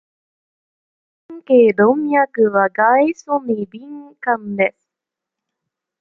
陰茎動脈は外傷に敏感です。